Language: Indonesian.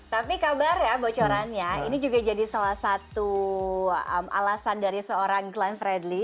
tapi kabar ya bocorannya ini juga jadi salah satu alasan dari seorang glenn fredly